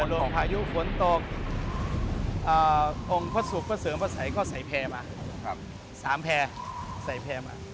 รบภายุฝนตกองค์พระสุขประเสริมประสัยก็ใส่แพรป์มา